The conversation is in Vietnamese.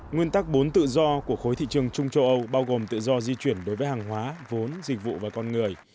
nguyên tắc bốn tự do của khối thị trường chung châu âu bao gồm tự do di chuyển đối với hàng hóa vốn dịch vụ và con người